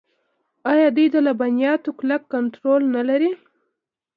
آیا دوی د لبنیاتو کلک کنټرول نلري؟